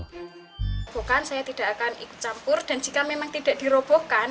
bukan saya tidak akan ikut campur dan jika memang tidak dirobohkan